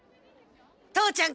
父ちゃん